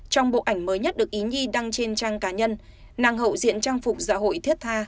trong bộ ảnh mới nhất được ý nhi đăng trên trang cá nhân năng hậu diện trang phục dạ hội thiết tha